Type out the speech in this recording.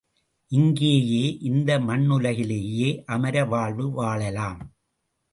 இங்கேயே இந்த மண்ணுலகிலேயே அமர வாழ்வு வாழலாம்.